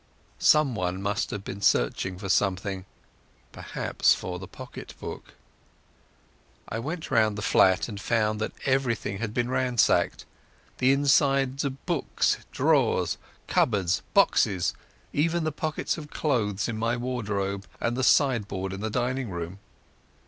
Someone must have been searching for something—perhaps for the pocket book. I went round the flat and found that everything had been ransacked—the inside of books, drawers, cupboards, boxes, even the pockets of the clothes in my wardrobe, and the sideboard in the dining room.